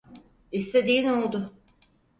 İstediğin oldu.